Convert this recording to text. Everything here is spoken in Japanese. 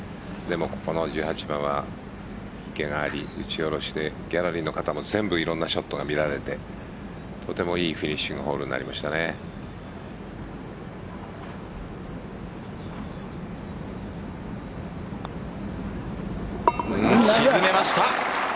この１８番は池があり打ち下ろしでギャラリーの方もいろんなショットが見られてとてもいいフィニッシングホールに沈めました。